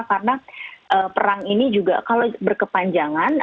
karena perang ini juga kalau berkepanjangan